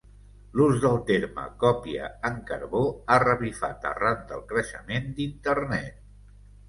L'ús del terme còpia en carbó ha revifat arran del creixement d'Internet.